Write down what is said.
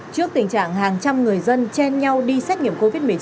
trước tình trạng hàng trăm người dân chen nhau đi xét nghiệm covid một mươi chín